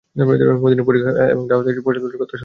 মদীনার পরিখা এবং তা হতে পশ্চাদপসারণের কথা স্মরণ হয়।